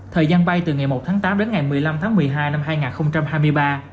thời gian bay từ ngày một tháng tám đến ngày một mươi năm tháng một mươi hai năm hai nghìn hai mươi ba